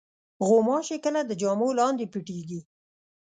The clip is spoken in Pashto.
غوماشې کله د جامو لاندې پټېږي.